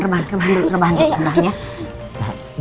rebahan dulu rebahan dulu